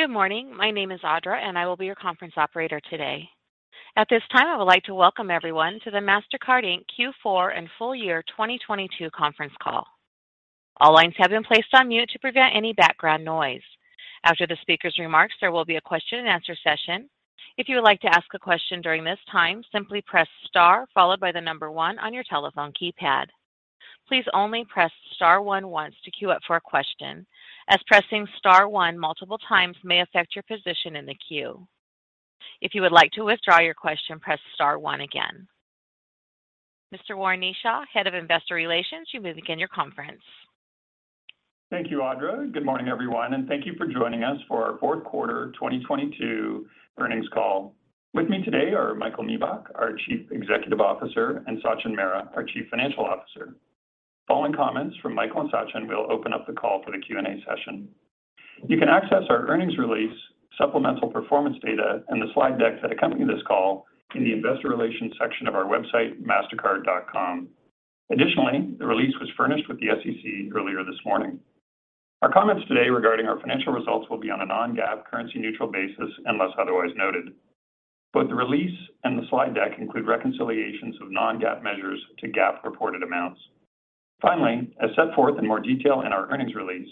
Good morning. My name is Audra, and I will be your conference operator today. At this time, I would like to welcome everyone to the Mastercard Inc. Q4 and full year 2022 conference call. All lines have been placed on mute to prevent any background noise. After the speaker's remarks, there will be a question-and-answer session. If you would like to ask a question during this time, simply press Star followed by the number 1 on your telephone keypad. Please only press Star 1 once to queue up for a question, as pressing Star 1 multiple times may affect your position in the queue. If you would like to withdraw your question, press Star 1 again. Mr. Warren Kneeshaw, Head of Investor Relations, you may begin your conference. Thank you, Audra. Good morning, everyone, and thank you for joining us for our fourth quarter 2022 earnings call. With me today are Michael Miebach, our Chief Executive Officer, and Sachin Mehra, our Chief Financial Officer. Following comments from Michael and Sachin, we'll open up the call for the Q&A session. You can access our earnings release, supplemental performance data, and the slide deck that accompany this call in the investor relations section of our website, mastercard.com. Additionally, the release was furnished with the SEC earlier this morning. Our comments today regarding our financial results will be on a non-GAAP currency neutral basis, unless otherwise noted. Both the release and the slide deck include reconciliations of non-GAAP measures to GAAP reported amounts. Finally, as set forth in more detail in our earnings release,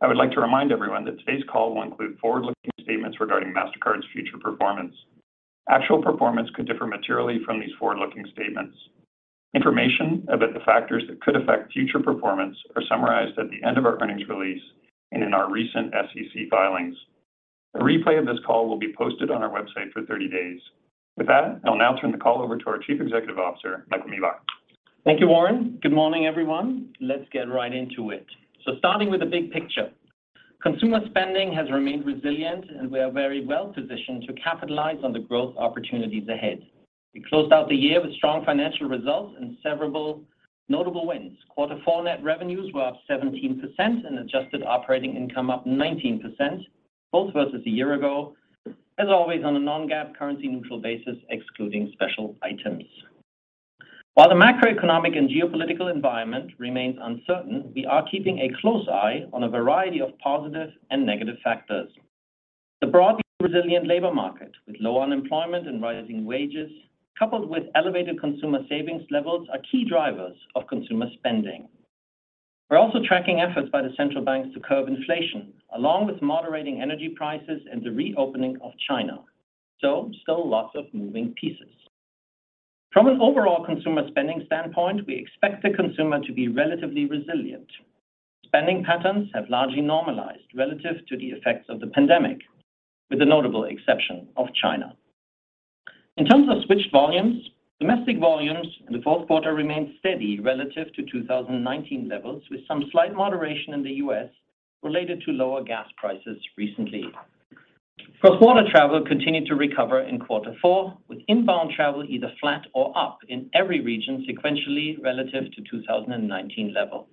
I would like to remind everyone that today's call will include forward-looking statements regarding Mastercard's future performance. Actual performance could differ materially from these forward-looking statements. Information about the factors that could affect future performance are summarized at the end of our earnings release and in our recent SEC filings. A replay of this call will be posted on our website for 30 days. With that, I'll now turn the call over to our Chief Executive Officer, Michael Miebach. Thank you, Warren. Good morning, everyone. Let's get right into it. Starting with the big picture, consumer spending has remained resilient, and we are very well-positioned to capitalize on the growth opportunities ahead. We closed out the year with strong financial results and several notable wins. Quarter four net revenues were up 17% and adjusted operating income up 19%, both versus a year ago, as always on a non-GAAP currency neutral basis, excluding special items. While the macroeconomic and geopolitical environment remains uncertain, we are keeping a close eye on a variety of positive and negative factors. The broadly resilient labor market with low unemployment and rising wages, coupled with elevated consumer savings levels are key drivers of consumer spending. We're also tracking efforts by the central banks to curb inflation, along with moderating energy prices and the reopening of China, so still lots of moving pieces. From an overall consumer spending standpoint, we expect the consumer to be relatively resilient. Spending patterns have largely normalized relative to the effects of the pandemic, with the notable exception of China. In terms of switched volumes, domestic volumes in the fourth quarter remained steady relative to 2019 levels, with some slight moderation in the U.S. related to lower gas prices recently. Cross-border travel continued to recover in quarter four, with inbound travel either flat or up in every region sequentially relative to 2019 levels.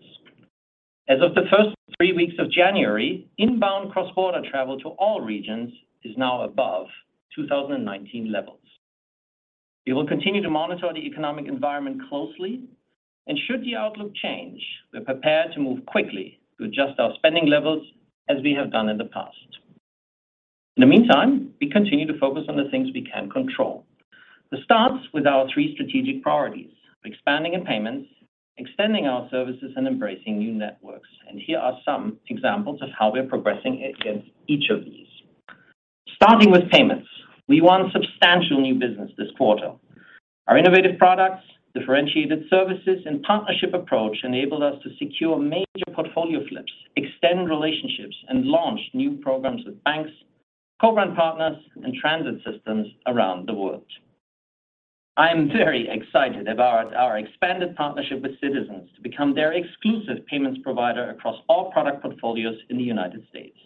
As of the first three weeks of January, inbound cross-border travel to all regions is now above 2019 levels. We will continue to monitor the economic environment closely. Should the outlook change, we're prepared to move quickly to adjust our spending levels as we have done in the past. In the meantime, we continue to focus on the things we can control. This starts with our three strategic priorities: expanding in payments, extending our services, and embracing new networks. Here are some examples of how we are progressing in each of these. Starting with payments, we won substantial new business this quarter. Our innovative products, differentiated services, and partnership approach enabled us to secure major portfolio flips, extend relationships, and launch new programs with banks, co-brand partners, and transit systems around the world. I am very excited about our expanded partnership with Citizens to become their exclusive payments provider across all product portfolios in the United States.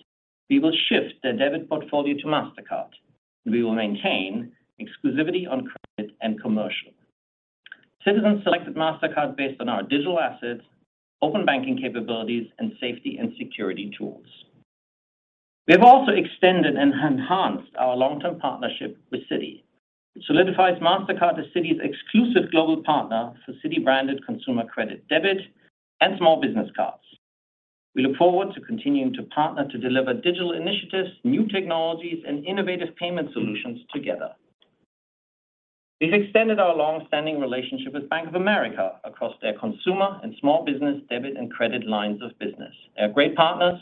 We will shift their debit portfolio to Mastercard. We will maintain exclusivity on credit and commercial. Citizens selected Mastercard based on our digital assets, open banking capabilities, and safety and security tools. We have also extended and enhanced our long-term partnership with Citi. It solidifies Mastercard as Citi's exclusive global partner for Citi-branded consumer credit, debit, and small business cards. We look forward to continuing to partner to deliver digital initiatives, new technologies, and innovative payment solutions together. We've extended our long-standing relationship with Bank of America across their consumer and small business debit and credit lines of business. They are great partners.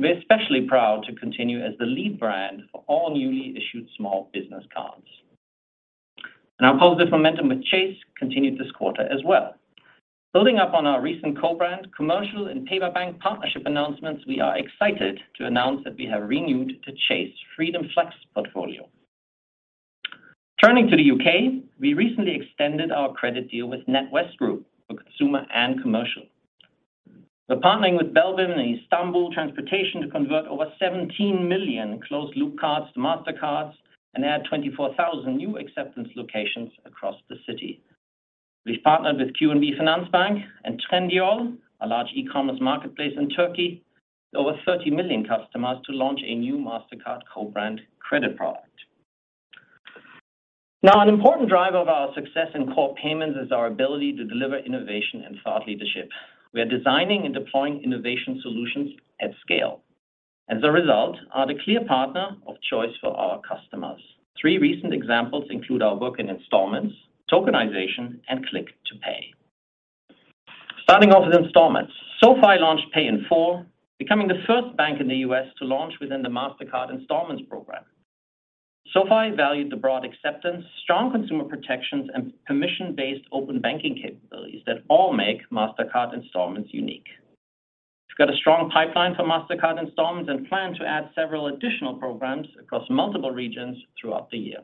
We're especially proud to continue as the lead brand for all newly issued small business cards. Our positive momentum with Chase continued this quarter as well. Building up on our recent co-brand, commercial, and Pay-by-Bank partnership announcements, we are excited to announce that we have renewed the Chase Freedom Flex portfolio. Turning to the U.K., we recently extended our credit deal with NatWest Group for consumer and commercial. We're partnering with BELBİM and Istanbul Transportation to convert over 17 million closed loop cards to Mastercards and add 24,000 new acceptance locations across the city. We've partnered with QNB Finansbank and Trendyol, a large e-commerce marketplace in Turkey, with over 30 million customers to launch a new Mastercard co-brand credit product. Now, an important driver of our success in core payments is our ability to deliver innovation and thought leadership. We are designing and deploying innovation solutions at scale. As a result, are the clear partner of choice for our customers. Three recent examples include our work in installments, tokenization, and Click to Pay. Starting off with installments. SoFi launched Pay in 4, becoming the first bank in the U.S. to launch within the Mastercard Installments program. SoFi valued the broad acceptance, strong consumer protections, and permission-based open banking capabilities that all make Mastercard Installments unique. We've got a strong pipeline for Mastercard Installments and plan to add several additional programs across multiple regions throughout the year.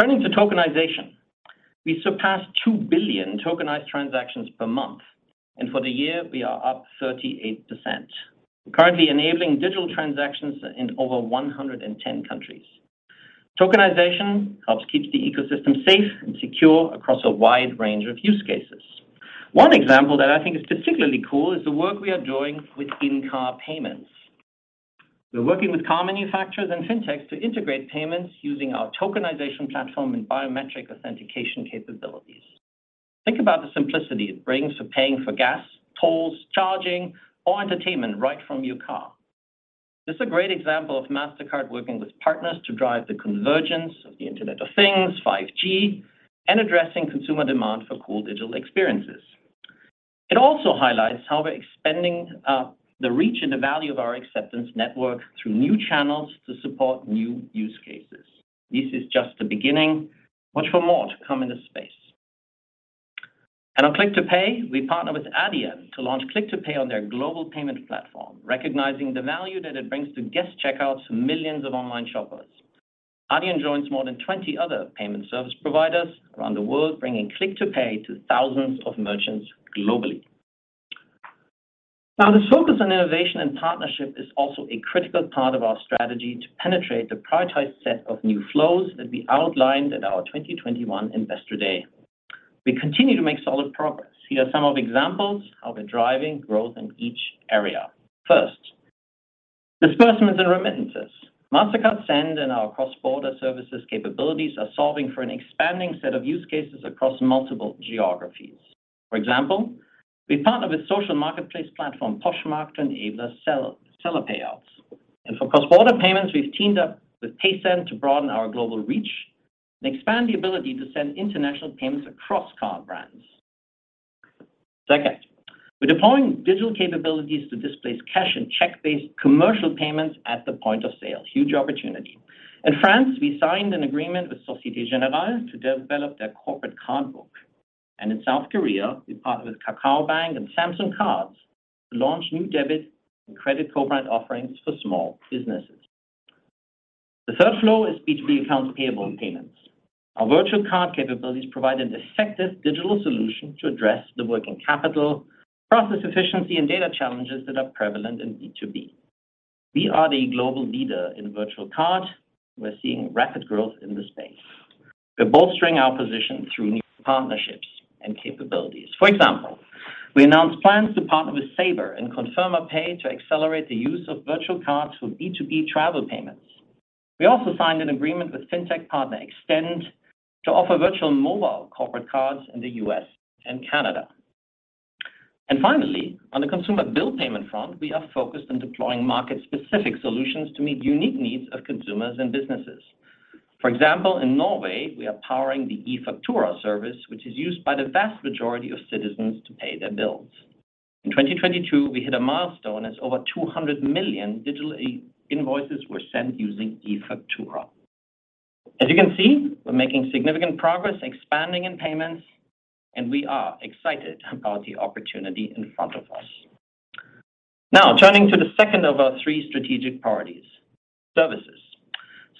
Turning to tokenization, we surpassed 2 billion tokenized transactions per month, and for the year, we are up 38%. We're currently enabling digital transactions in over 110 countries. Tokenization helps keep the ecosystem safe and secure across a wide range of use cases. One example that I think is particularly cool is the work we are doing with in-car payments. We're working with car manufacturers and fintechs to integrate payments using our tokenization platform and biometric authentication capabilities. Think about the simplicity it brings for paying for gas, tolls, charging, or entertainment right from your car. This is a great example of Mastercard working with partners to drive the convergence of the Internet of Things, 5G, and addressing consumer demand for cool digital experiences. It also highlights how we're expanding the reach and the value of our acceptance network through new channels to support new use cases. This is just the beginning. Watch for more to come in this space. On Click to Pay, we partner with Adyen to launch Click to Pay on their global payment platform, recognizing the value that it brings to guest checkout to millions of online shoppers. Adyen joins more than 20 other payment service providers around the world, bringing Click to Pay to thousands of merchants globally. The focus on innovation and partnership is also a critical part of our strategy to penetrate the prioritized set of new flows that we outlined at our 2021 Investor Day. We continue to make solid progress. Here are some of examples how we're driving growth in each area. First, disbursements and remittances. Mastercard Send and our cross-border services capabilities are solving for an expanding set of use cases across multiple geographies. For example, we partner with social marketplace platform, Poshmark, to enable seller payouts. For cross-border payments, we've teamed up with Paysend to broaden our global reach and expand the ability to send international payments across card brands. Second, we're deploying digital capabilities to displace cash and check-based commercial payments at the point of sale. Huge opportunity. In France, we signed an agreement with Société Générale to develop their corporate card book. In South Korea, we partnered with KakaoBank and Samsung Cards to launch new debit and credit co-brand offerings for small businesses. The third flow is B2B accounts payable and payments. Our virtual card capabilities provide an effective digital solution to address the working capital, process efficiency, and data challenges that are prevalent in B2B. We are the global leader in virtual card. We're seeing rapid growth in this space. We're bolstering our position through new partnerships and capabilities. For example, we announced plans to partner with Sabre and Conferma Pay to accelerate the use of virtual cards for B2B travel payments. We also signed an agreement with Fintech Partner Extend to offer virtual mobile corporate cards in the U.S. and Canada. Finally, on the consumer bill payment front, we are focused on deploying market-specific solutions to meet unique needs of consumers and businesses. For example, in Norway, we are powering the eFaktura service, which is used by the vast majority of citizens to pay their bills. In 2022, we hit a milestone as over 200 million digitally invoices were sent using eFaktura. As you can see, we're making significant progress expanding in payments. We are excited about the opportunity in front of us. Now, turning to the 2nd of our 3 strategic priorities, services.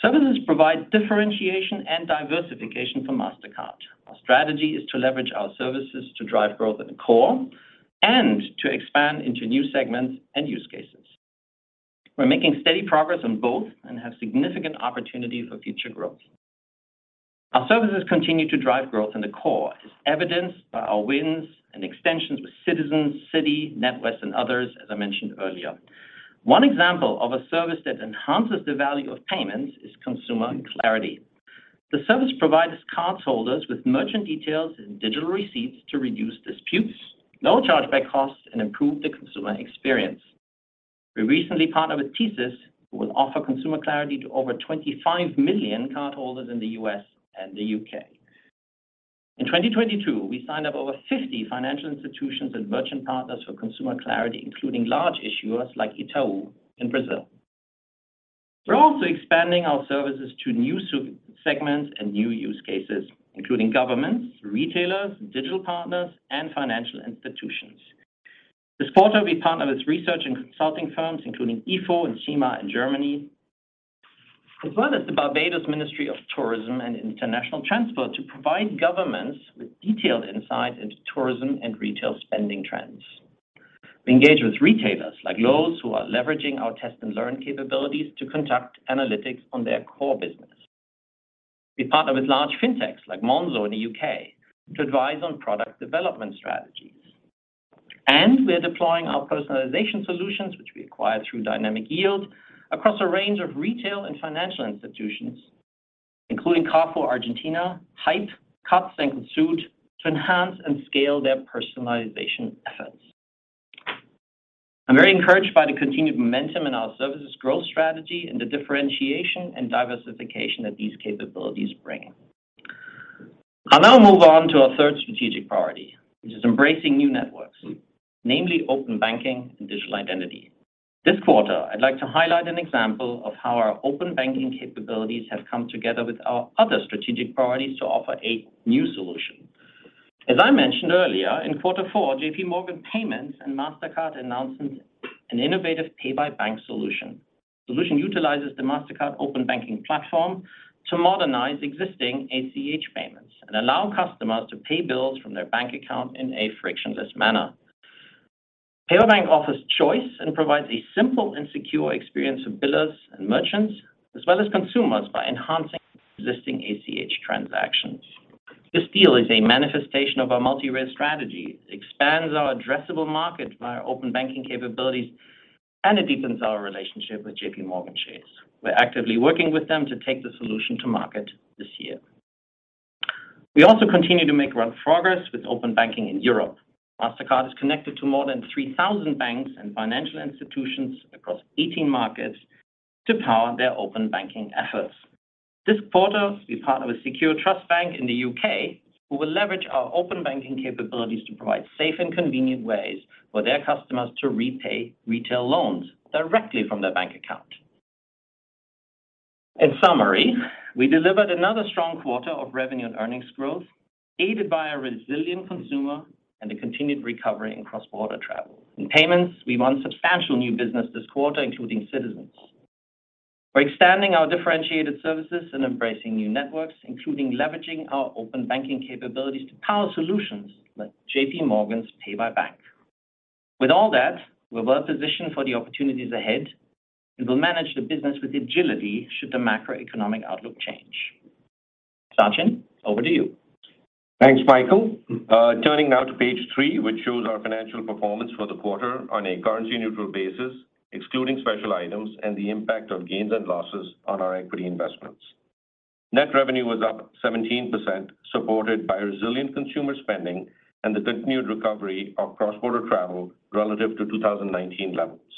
Services provide differentiation and diversification for Mastercard. Our strategy is to leverage our services to drive growth in the core and to expand into new segments and use cases. We're making steady progress on both and have significant opportunity for future growth. Our services continue to drive growth in the core, as evidenced by our wins and extensions with Citizens, Citi, NatWest, and others, as I mentioned earlier. 1 example of a service that enhances the value of payments is Consumer Clarity. The service provides cardholders with merchant details and digital receipts to reduce disputes, no chargeback costs, and improve the consumer experience. We recently partnered with TSYS, who will offer Consumer Clarity to over 25 million cardholders in the U.S. and the U.K. In 2022, we signed up over 50 financial institutions and merchant partners for Consumer Clarity, including large issuers like Itaú in Brazil. We're also expanding our services to new segments and new use cases, including governments, retailers, digital partners, and financial institutions. This quarter, we partnered with research and consulting firms, including Ifo and CIMA in Germany, as well as the Barbados Ministry of Tourism and International Transport to provide governments with detailed insight into tourism and retail spending trends. We engage with retailers like Lowe's, who are leveraging our Test & Learn capabilities to conduct analytics on their core business. We partner with large fintechs like Monzo in the UK to advise on product development strategies. We are deploying our personalization solutions, which we acquired through Dynamic Yield, across a range of retail and financial institutions, including Carrefour Argentina, Hype, Cencosud, to enhance and scale their personalization efforts. I'm very encouraged by the continued momentum in our services growth strategy and the differentiation and diversification that these capabilities bring. I'll now move on to our third strategic priority, which is embracing new networks, namely open banking and digital identity. This quarter, I'd like to highlight an example of how our open banking capabilities have come together with our other strategic priorities to offer a new solution. As I mentioned earlier, in Q4, JPMorgan Payments and Mastercard announced an innovative Pay-by-Bank solution. The solution utilizes the Mastercard open banking platform to modernize existing ACH payments and allow customers to pay bills from their bank account in a frictionless manner. Pay-by-Bank offers choice and provides a simple and secure experience for billers and merchants, as well as consumers by enhancing existing ACH transactions. This deal is a manifestation of our multi-risk strategy. It expands our addressable market via open banking capabilities, and it deepens our relationship with JPMorgan Chase. We're actively working with them to take the solution to market this year. We also continue to make great progress with open banking in Europe. Mastercard is connected to more than 3,000 banks and financial institutions across 18 markets to power their open banking efforts. This quarter, we partner with Secure Trust Bank in the UK, who will leverage our open banking capabilities to provide safe and convenient ways for their customers to repay retail loans directly from their bank account. In summary, we delivered another strong quarter of revenue and earnings growth, aided by a resilient consumer and a continued recovery in cross-border travel. In payments, we won substantial new business this quarter, including Citizens. We're expanding our differentiated services and embracing new networks, including leveraging our open banking capabilities to power solutions like JPMorgan's Pay-by-Bank. With all that, we're well-positioned for the opportunities ahead, and we'll manage the business with agility should the macroeconomic outlook change. Sachin, over to you. Thanks, Michael. Turning now to page 3, which shows our financial performance for the quarter on a currency-neutral basis, excluding special items and the impact of gains and losses on our equity investments. Net revenue was up 17%, supported by resilient consumer spending and the continued recovery of cross-border travel relative to 2019 levels.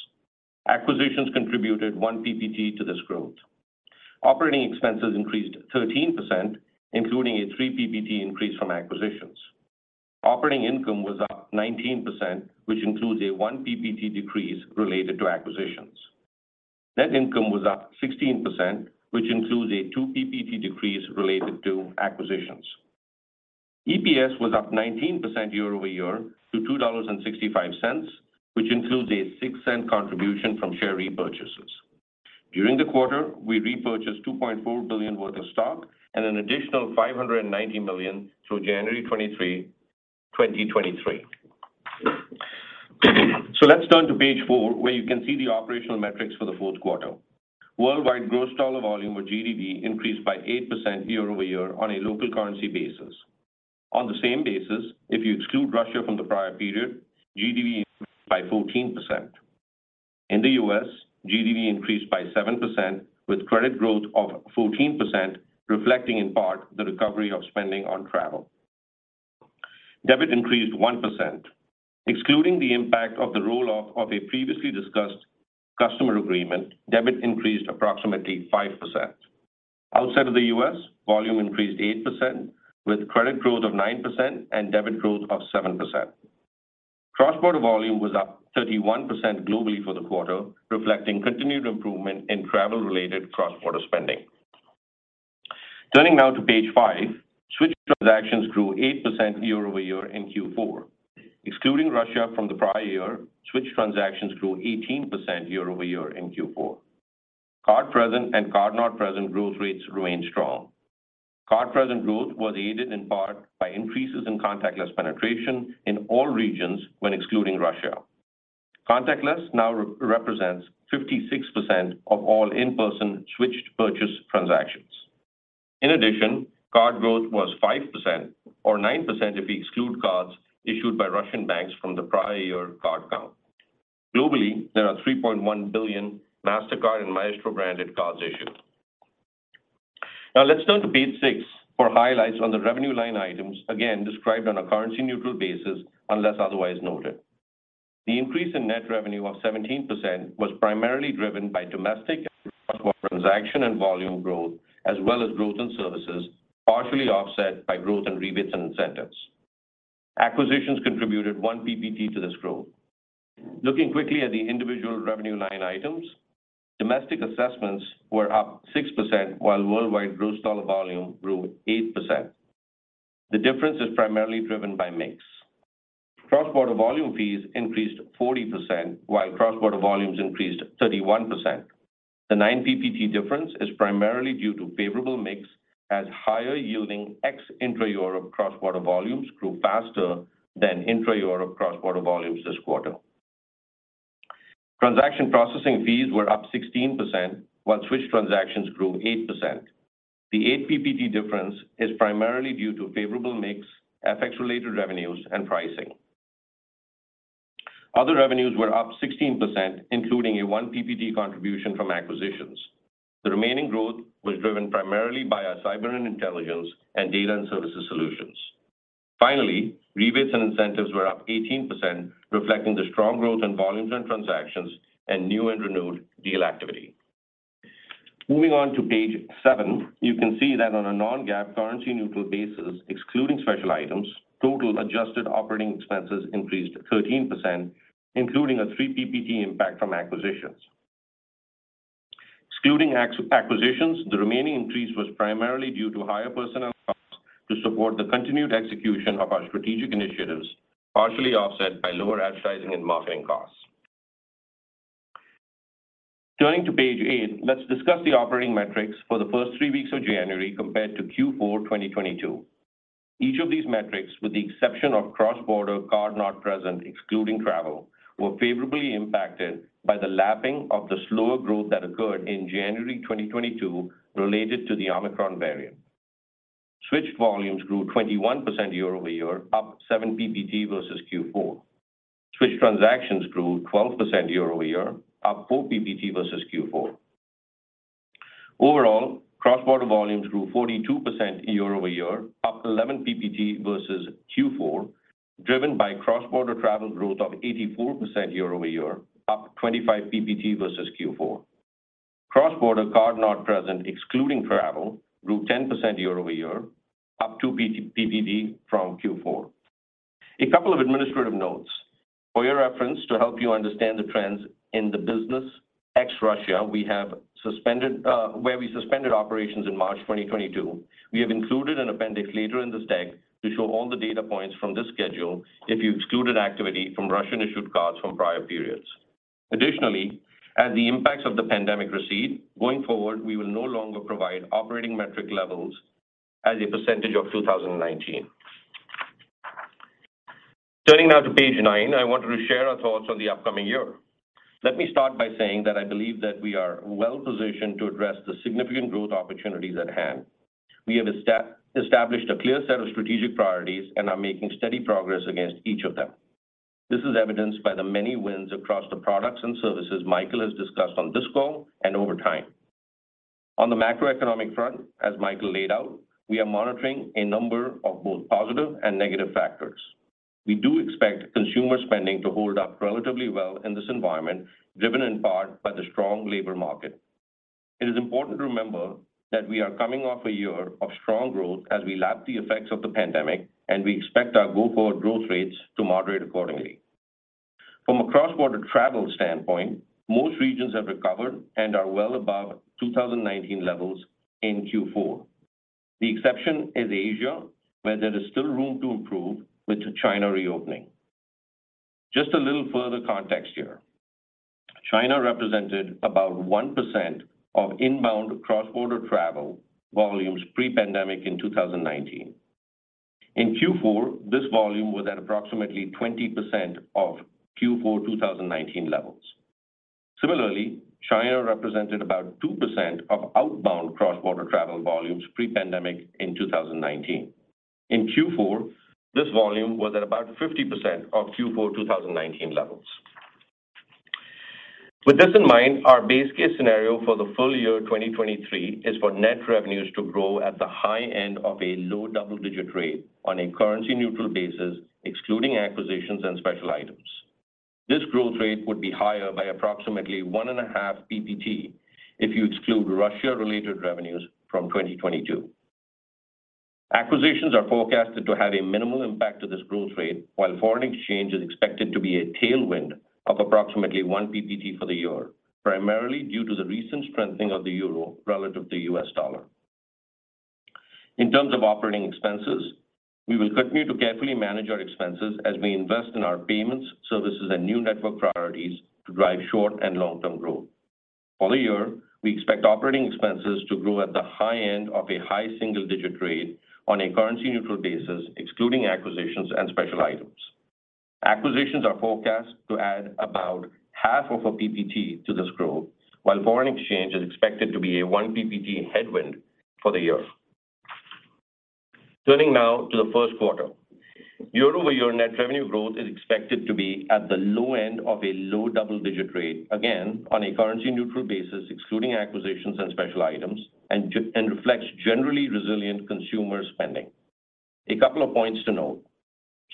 Acquisitions contributed 1 PPT to this growth. Operating expenses increased 13%, including a 3 PPT increase from acquisitions. Operating income was up 19%, which includes a 1 PPT decrease related to acquisitions. Net income was up 16%, which includes a 2 PPT decrease related to acquisitions. EPS was up 19% year-over-year to $2.65, which includes a $0.06 contribution from share repurchases. During the quarter, we repurchased $2.4 billion worth of stock and an additional $590 million through January 23, 2023. Let's turn to page 4, where you can see the operational metrics for the fourth quarter. Worldwide gross dollar volume or GDV increased by 8% year-over-year on a local currency basis. On the same basis, if you exclude Russia from the prior period, GDV increased by 14%. In the U.S., GDV increased by 7% with credit growth of 14%, reflecting in part the recovery of spending on travel. Debit increased 1%. Excluding the impact of the roll-off of a previously discussed customer agreement, debit increased approximately 5%. Outside of the U.S., volume increased 8%, with credit growth of 9% and debit growth of 7%. Cross-border volume was up 31% globally for the quarter, reflecting continued improvement in travel-related cross-border spending. Turning now to page 5, switch transactions grew 8% year-over-year in Q four. Excluding Russia from the prior year, switch transactions grew 18% year-over-year in Q four. Card present and card not present growth rates remained strong. Card present growth was aided in part by increases in contactless penetration in all regions when excluding Russia. Contactless now re-represents 56% of all in-person switched purchase transactions. Card growth was 5% or 9% if we exclude cards issued by Russian banks from the prior year card count. Globally, there are 3.1 billion Mastercard and Maestro branded cards issued. Let's turn to page 6 for highlights on the revenue line items, again described on a currency neutral basis unless otherwise noted. The increase in net revenue of 17% was primarily driven by domestic and cross-border transaction and volume growth, as well as growth in services, partially offset by growth in rebates and incentives. Acquisitions contributed 1 PPT to this growth. Looking quickly at the individual revenue line items, domestic assessments were up 6% while worldwide gross dollar volume grew 8%. The difference is primarily driven by mix. Cross-border volume fees increased 40% while cross-border volumes increased 31%. The 9 PPT difference is primarily due to favorable mix as higher yielding ex-intra Europe cross-border volumes grew faster than intra-Europe cross-border volumes this quarter. Transaction processing fees were up 16%, while switch transactions grew 8%. The 8 PPT difference is primarily due to favorable mix, FX-related revenues, and pricing. Other revenues were up 16%, including a 1 PPT contribution from acquisitions. The remaining growth was driven primarily by our cyber and intelligence and data and services solutions. Rebates and incentives were up 18%, reflecting the strong growth in volumes and transactions and new and renewed deal activity. Moving on to page 7, you can see that on a non-GAAP currency neutral basis, excluding special items, total adjusted operating expenses increased 13%, including a 3 PPT impact from acquisitions. Excluding acquisitions, the remaining increase was primarily due to higher personnel costs to support the continued execution of our strategic initiatives, partially offset by lower advertising and marketing costs. Turning to page 8, let's discuss the operating metrics for the first 3 weeks of January compared to Q4, 2022. Each of these metrics, with the exception of cross-border card-not-present, excluding travel, were favorably impacted by the lapping of the slower growth that occurred in January 2022 related to the Omicron variant. Switched volumes grew 21% year-over-year, up 7 PPT versus Q4. Switch transactions grew 12% year-over-year, up 4 PPT versus Q4. Cross-border volumes grew 42% year-over-year, up 11 PPT versus Q4, driven by cross-border travel growth of 84% year-over-year, up 25 PPT versus Q4. Cross-border card-not-present, excluding travel, grew 10% year-over-year, up 2 PPT from Q4. A couple of administrative notes. For your reference to help you understand the trends in the business, ex-Russia, we have suspended... where we suspended operations in March 2022, we have included an appendix later in this deck to show all the data points from this schedule if you excluded activity from Russian-issued cards from prior periods. Additionally, as the impacts of the pandemic recede, going forward, we will no longer provide operating metric levels as a percentage of 2019. Turning now to page 9, I wanted to share our thoughts on the upcoming year. Let me start by saying that I believe that we are well-positioned to address the significant growth opportunities at hand. We have established a clear set of strategic priorities and are making steady progress against each of them. This is evidenced by the many wins across the products and services Michael has discussed on this call and over time. On the macroeconomic front, as Michael laid out, we are monitoring a number of both positive and negative factors. We do expect consumer spending to hold up relatively well in this environment, driven in part by the strong labor market. It is important to remember that we are coming off a year of strong growth as we lap the effects of the pandemic, and we expect our go-forward growth rates to moderate accordingly. From a cross-border travel standpoint, most regions have recovered and are well above 2019 levels in Q4. The exception is Asia, where there is still room to improve with the China reopening. Just a little further context here. China represented about 1% of inbound cross-border travel volumes pre-pandemic in 2019. In Q4, this volume was at approximately 20% of Q4, 2019 levels. Similarly, China represented about 2% of outbound cross-border travel volumes pre-pandemic in 2019. In Q4, this volume was at about 50% of Q4, 2019 levels. With this in mind, our base case scenario for the full year 2023 is for net revenues to grow at the high end of a low double-digit rate on a currency-neutral basis, excluding acquisitions and special items. This growth rate would be higher by approximately 1.5 PPT if you exclude Russia-related revenues from 2022. Acquisitions are forecasted to have a minimal impact to this growth rate, while foreign exchange is expected to be a tailwind of approximately 1 PPT for the year, primarily due to the recent strengthening of the euro relative to the US dollar. In terms of operating expenses, we will continue to carefully manage our expenses as we invest in our payments, services, and new network priorities to drive short and long-term growth. For the year, we expect operating expenses to grow at the high end of a high single-digit rate on a currency-neutral basis, excluding acquisitions and special items. Acquisitions are forecast to add about half of a PPT to this growth, while foreign exchange is expected to be a 1 PPT headwind for the year. Turning now to the first quarter. Year-over-year net revenue growth is expected to be at the low end of a low double-digit rate, again, on a currency-neutral basis, excluding acquisitions and special items, and reflects generally resilient consumer spending. A couple of points to note.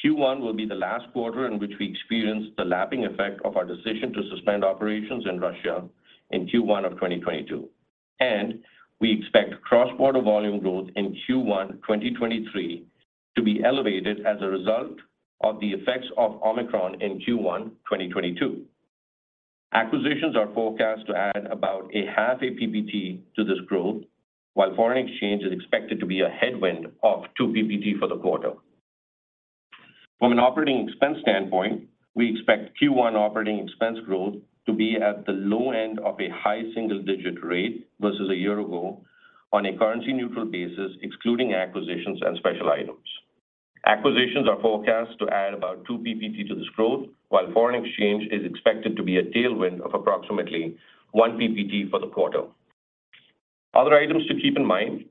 Q1 will be the last quarter in which we experience the lapping effect of our decision to suspend operations in Russia in Q1 of 2022. We expect cross-border volume growth in Q1 2023 to be elevated as a result of the effects of Omicron in Q1 2022. Acquisitions are forecast to add about a half a PPT to this growth, while foreign exchange is expected to be a headwind of 2 PPT for the quarter. From an operating expense standpoint, we expect Q1 operating expense growth to be at the low end of a high single-digit rate versus a year ago on a currency-neutral basis, excluding acquisitions and special items. Acquisitions are forecast to add about 2 PPT to this growth, while foreign exchange is expected to be a tailwind of approximately 1 PPT for the quarter. Other items to keep in mind.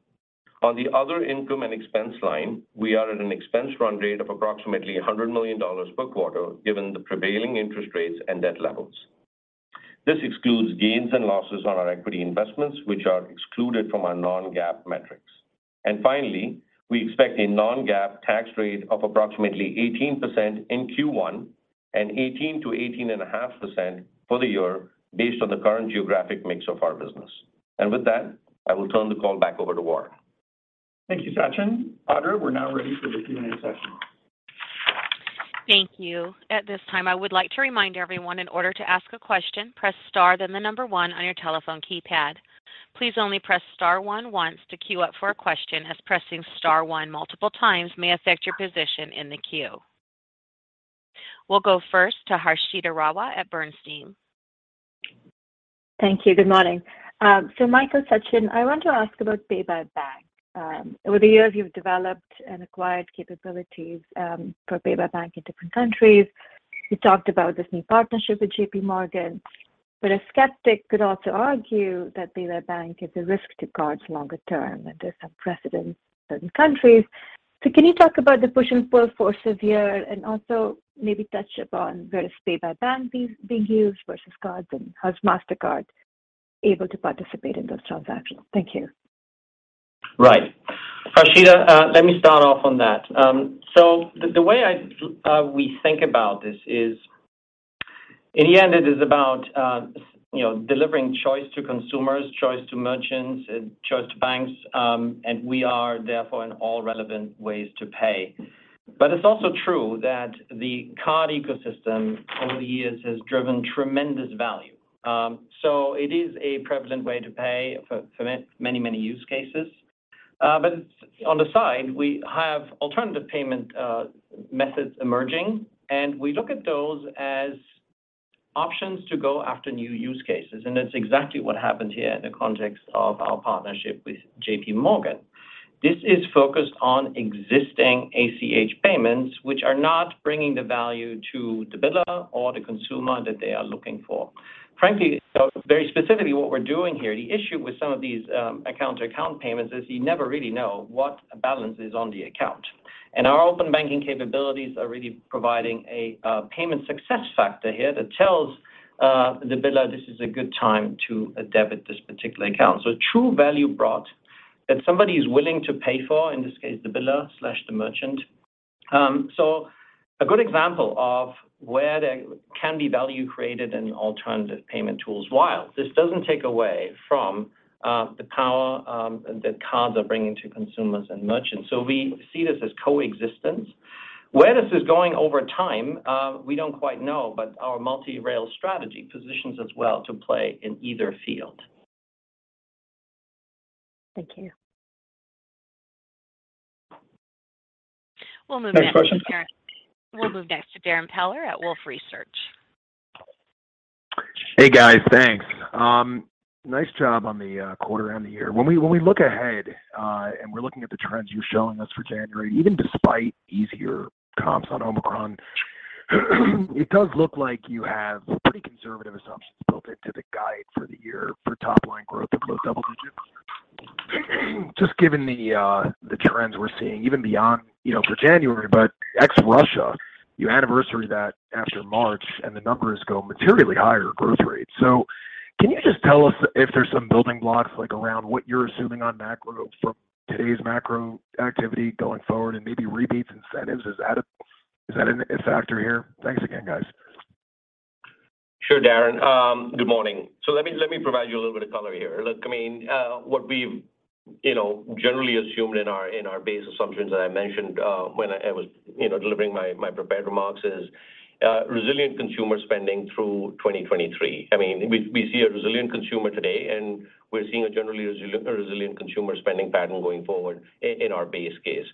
On the other income and expense line, we are at an expense run rate of approximately $100 million per quarter given the prevailing interest rates and debt levels. This excludes gains and losses on our equity investments, which are excluded from our non-GAAP metrics. Finally, we expect a non-GAAP tax rate of approximately 18% in Q1 and 18%-18.5% for the year based on the current geographic mix of our business. With that, I will turn the call back over to Warren. Thank you, Sachin. Operator, we're now ready for the Q&A session. Thank you. At this time, I would like to remind everyone in order to ask a question, press star then 1 on your telephone keypad. Please only press star one once to queue up for a question as pressing star one multiple times may affect your position in the queue. We'll go first to Harshita Rawat at Bernstein. Thank you. Good morning. Michael, Sachin, I want to ask about Pay-by-Bank. Over the years, you've developed and acquired capabilities for Pay-by-Bank in different countries. You talked about this new partnership with JPMorgan, but a skeptic could also argue that Pay-by-Bank is a risk to cards longer term, and there's some precedent in certain countries. Can you talk about the push and pull forces here and also maybe touch upon where does Pay-by-Bank being used versus cards, and how is Mastercard able to participate in those transactions? Thank you. Right. Harshita, let me start off on that. The way we think about this is in the end it is about delivering choice to consumers, choice to merchants, and choice to banks, and we are therefore in all relevant ways to pay. It's also true that the card ecosystem over the years has driven tremendous value. It is a prevalent way to pay for many use cases. On the side we have alternative payment methods emerging, and we look at those as options to go after new use cases. That's exactly what happened here in the context of our partnership with JPMorgan. This is focused on existing ACH payments which are not bringing the value to the biller or the consumer that they are looking for. Very specifically what we're doing here, the issue with some of these account to account payments is you never really know what balance is on the account. Our open banking capabilities are really providing a payment success factor here that tells the biller this is a good time to debit this particular account. A true value brought that somebody is willing to pay for, in this case, the biller/the merchant. A good example of where there can be value created in alternative payment tools, while this doesn't take away from the power that cards are bringing to consumers and merchants. We see this as coexistence. Where this is going over time, we don't quite know, but our multi-rail strategy positions us well to play in either field. Thank you. Thanks, Harshita. We'll move next to Darrin Peller at Wolfe Research. Hey guys. Thanks. Nice job on the quarter end of the year. When we look ahead, and we're looking at the trends you're showing us for January, even despite easier comps on Omicron, it does look like you have pretty conservative assumptions built into the guide for the year for top line growth of low double digits. Just given the trends we're seeing even beyond for January, but ex Russia, you anniversary that after March and the numbers go materially higher growth rates. Can you just tell us if there's some building blocks like around what you're assuming on macro from today's macro activity going forward and maybe rebates incentives? Is that a factor here? Thanks again, guys. Sure, Darrin. Good morning. Let me provide you a little bit of color here. Look, I mean, what we've generally assumed in our, in our base assumptions that I mentioned, when I was delivering my prepared remarks is resilient consumer spending through 2023. I mean, we see a resilient consumer today, and we're seeing a generally resilient consumer spending pattern going forward in our base case.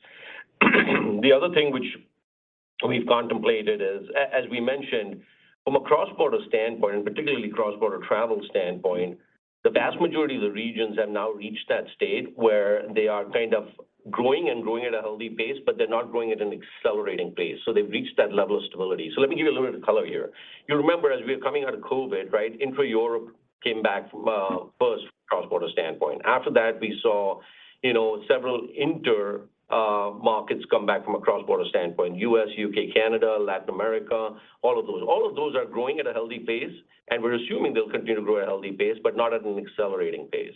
The other thing which we've contemplated is as we mentioned from a cross-border standpoint, and particularly cross-border travel standpoint, the vast majority of the regions have now reached that state where they are kind of growing and growing at a healthy pace, but they're not growing at an accelerating pace. Let me give you a little bit of color here. You remember, as we are coming out of COVID, right? Inter-Europe came back from, first cross-border standpoint. After that we saw several inter markets come back from a cross-border standpoint, U.S., U.K., Canada, Latin America, all of those. All of those are growing at a healthy pace, and we're assuming they'll continue to grow at a healthy pace, but not at an accelerating pace.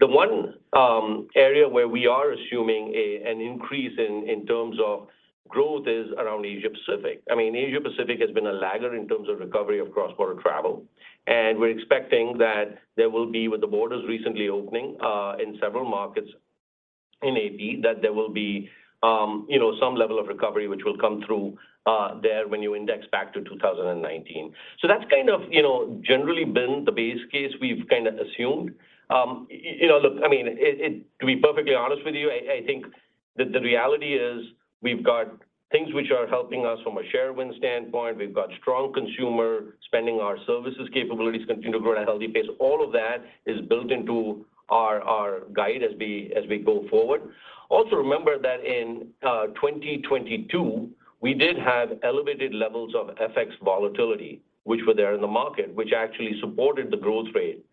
The one area where we are assuming a, an increase in terms of growth is around Asia Pacific. I mean, Asia Pacific has been a lagger in terms of recovery of cross-border travel, and we're expecting that there will be with the borders recently opening in several markets in AP that there will be some level of recovery which will come through there when you index back to 2019. That's kind of generally been the base case we've kinda assumed., look, I mean, it to be perfectly honest with you, I think the reality is we've got things which are helping us from a share win standpoint. We've got strong consumer spending. Our services capabilities continue to grow at a healthy pace. All of that is built into our guide as we go forward. Also remember that in 2022, we did have elevated levels of FX volatility, which were there in the market, which actually supported the growth rate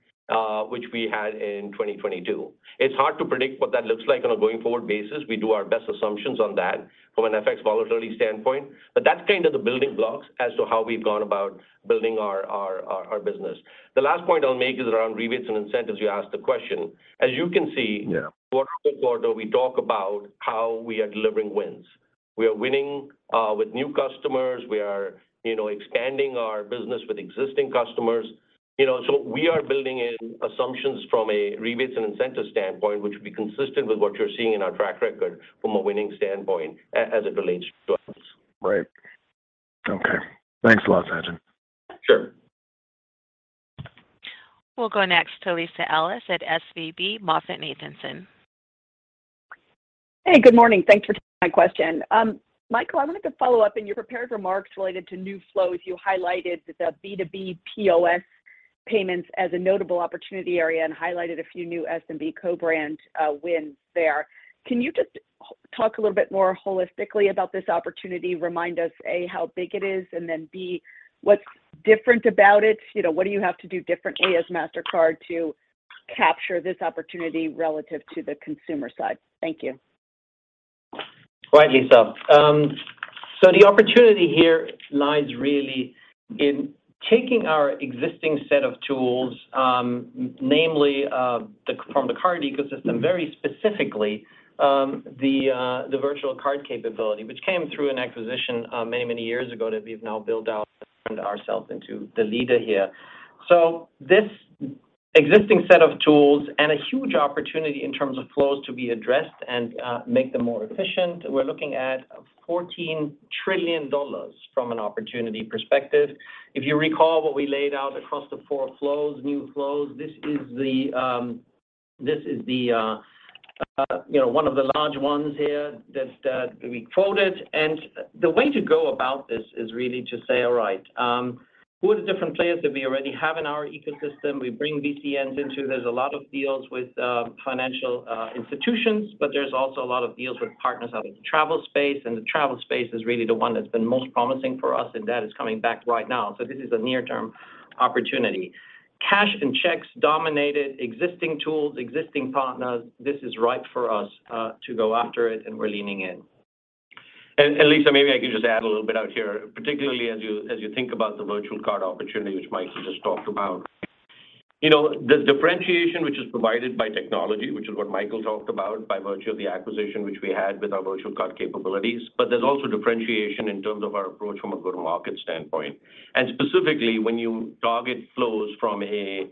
which we had in 2022. It's hard to predict what that looks like on a going forward basis. We do our best assumptions on that from an FX volatility standpoint. That's kind of the building blocks as to how we've gone about building our business. The last point I'll make is around rebates and incentives. You asked the question. As you can see... Yeah... quarter-over-quarter we talk about how we are delivering wins. We are winning with new customers. We are expanding our business with existing customers, . We are building in assumptions from a rebates and incentive standpoint, which would be consistent with what you're seeing in our track record from a winning standpoint as it relates to us. Right. Okay. Thanks a lot, Sachin. Sure. We'll go next to Lisa Ellis at SVB MoffettNathanson. Hey, good morning. Thanks for taking my question. Michael, I wanted to follow up. In your prepared remarks related to new flows, you highlighted the B2B POS payments as a notable opportunity area and highlighted a few new SMB co-brand wins there. Can you just talk a little bit more holistically about this opportunity? Remind us, A, how big it is, and then, B, what's different about it?, what do you have to do differently as Mastercard to capture this opportunity relative to the consumer side? Thank you. Right, Lisa. The opportunity here lies really in taking our existing set of tools, namely, the, from the card ecosystem, very specifically, the virtual card capability, which came through an acquisition many, many years ago that we've now built out and turned ourselves into the leader here. This existing set of tools and a huge opportunity in terms of flows to be addressed and make them more efficient, we're looking at $14 trillion from an opportunity perspective. If you recall what we laid out across the four flows, new flows, this is the one of the large ones here that we quoted. The way to go about this is really to say, "All right, who are the different players that we already have in our ecosystem?" We bring VCNs into. There's a lot of deals with financial institutions, but there's also a lot of deals with partners out of the travel space, and the travel space is really the one that's been most promising for us, and that is coming back right now. This is a near-term opportunity. Cash and checks dominated existing tools, existing partners. This is right for us to go after it, and we're leaning in. Lisa, maybe I can just add a little bit out here, particularly as you, as you think about the virtual card opportunity which Michael just talked about., there's differentiation which is provided by technology, which is what Michael talked about, by virtue of the acquisition which we had with our virtual card capabilities. There's also differentiation in terms of our approach from a go-to-market standpoint. Specifically, when you target flows from a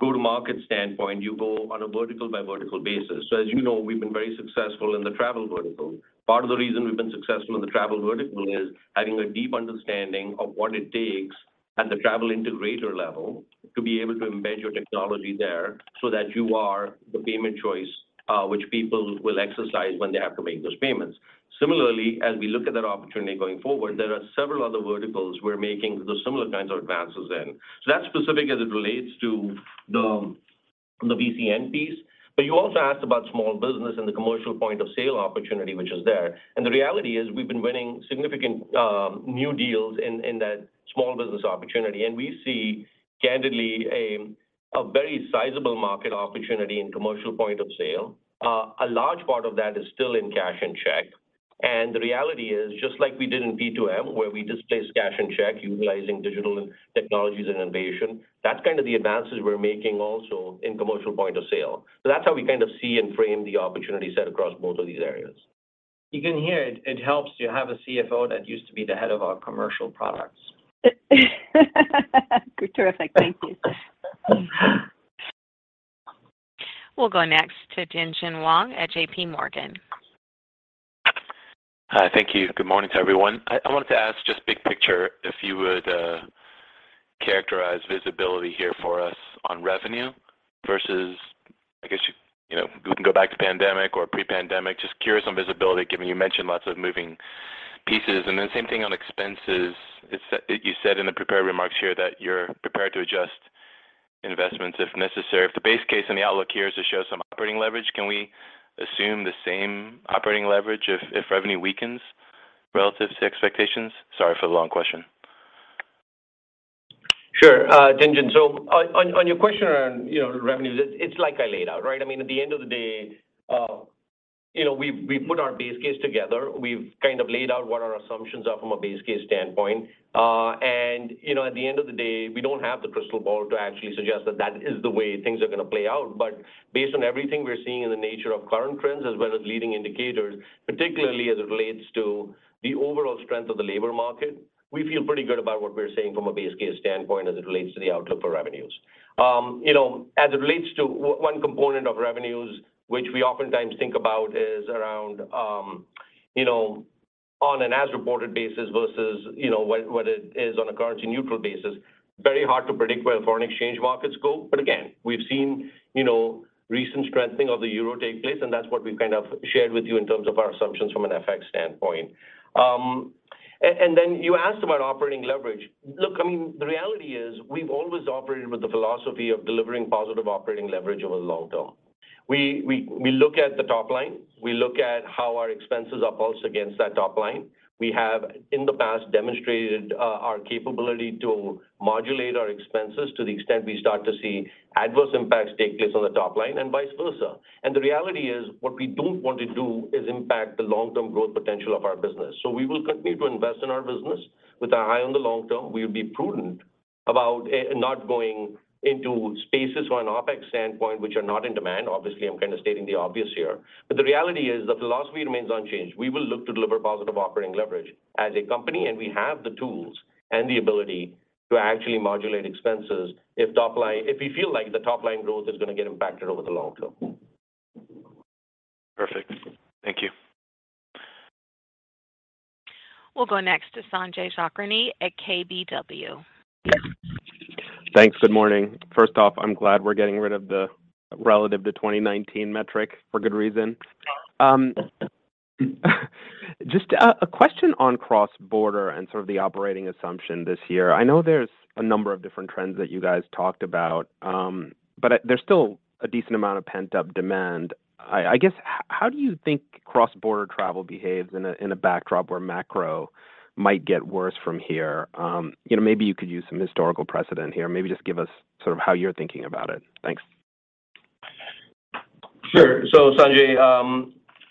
go-to-market standpoint, you go on a vertical by vertical basis. As, we've been very successful in the travel vertical. Part of the reason we've been successful in the travel vertical is having a deep understanding of what it takes at the travel integrator level to be able to embed your technology there so that you are the payment choice, which people will exercise when they have to make those payments. Similarly, as we look at that opportunity going forward, there are several other verticals we're making those similar kinds of advances in. That's specific as it relates to the VCN piece. You also asked about small business and the commercial point of sale opportunity which is there. The reality is we've been winning significant new deals in that small business opportunity, and we see candidly a very sizable market opportunity in commercial point of sale. A large part of that is still in cash and check. The reality is, just like we did in P2M, where we displaced cash and check utilizing digital technologies and innovation, that's kind of the advances we're making also in commercial point of sale. That's how we kind of see and frame the opportunity set across both of these areas. You can hear it helps to have a CFO that used to be the head of our commercial products. Terrific. Thank you. We'll go next to Tien-Tsin Huang at JP Morgan. Hi. Thank you. Good morning to everyone. I wanted to ask just big picture if you would characterize visibility here for us on revenue versus, I guess we can go back to pandemic or pre-pandemic. Just curious on visibility, given you mentioned lots of moving pieces. Then same thing on expenses. You said in the prepared remarks here that you're prepared to adjust investments if necessary. If the base case and the outlook here is to show some operating leverage, can we assume the same operating leverage if revenue weakens relative to expectations? Sorry for the long question. Sure, Tien-Tsin. On your question around revenues, it's like I laid out, right? I mean, at the end of the day we've put our base case together. We've kind of laid out what our assumptions are from a base case standpoint., at the end of the day, we don't have the crystal ball to actually suggest that that is the way things are gonna play out. Based on everything we're seeing in the nature of current trends as well as leading indicators, particularly as it relates to the overall strength of the labor market, we feel pretty good about what we're seeing from a base case standpoint as it relates to the outlook for revenues., as it relates to one component of revenues which we oftentimes think about is around on an as reported basis versus what it is on a currency neutral basis, very hard to predict where foreign exchange markets go. Again, we've seen recent strengthening of the euro take place, and that's what we've kind of shared with you in terms of our assumptions from an FX standpoint. Then you asked about operating leverage. Look, I mean, the reality is we've always operated with the philosophy of delivering positive operating leverage over the long term. We look at the top line. We look at how our expenses are pulsed against that top line. We have, in the past, demonstrated, our capability to modulate our expenses to the extent we start to see adverse impacts take place on the top line and vice versa. The reality is, what we don't want to do is impact the long-term growth potential of our business. We will continue to invest in our business. With our eye on the long term, we'll be prudent about, not going into spaces or an OPEX standpoint, which are not in demand. Obviously, I'm kinda stating the obvious here. The reality is the philosophy remains unchanged. We will look to deliver positive operating leverage as a company, and we have the tools and the ability to actually modulate expenses if we feel like the top line growth is gonna get impacted over the long term. Perfect. Thank you. We'll go next to Sanjay Sakhrani at KBW. Thanks. Good morning. First off, I'm glad we're getting rid of the relative to 2019 metric for good reason. Just a question on cross-border and sort of the operating assumption this year. I know there's a number of different trends that you guys talked about, but there's still a decent amount of pent-up demand. I guess how do you think cross-border travel behaves in a, in a backdrop where macro might get worse from here?, maybe you could use some historical precedent here. Maybe just give us sort of how you're thinking about it. Thanks. Sure. Sanjay,